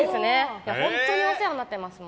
本当にお世話になってます。